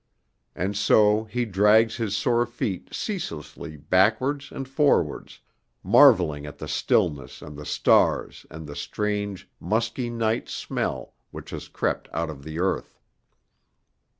And so he drags his sore feet ceaselessly backwards and forwards, marvelling at the stillness and the stars and the strange, musky night smell which has crept out of the earth.